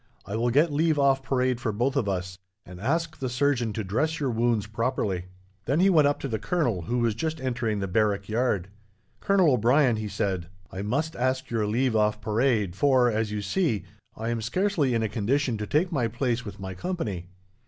I will get leave off parade for both of us, and ask the surgeon to dress your wounds properly." Then he went up to the colonel, who was just entering the barrack yard. "Colonel O'Brien," he said, "I must ask your leave off parade, for, as you see, I am scarcely in a condition to take my place with my company."